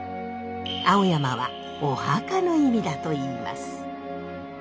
青山はお墓の意味だといいます。